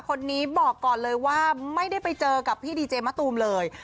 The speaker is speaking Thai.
คนนี้บอกก่อนเลยว่าไม่ได้ไปเจอกับพี่ดีเจมะตูมเลย